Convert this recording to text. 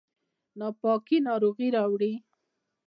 ناپاکي ناروغي راوړي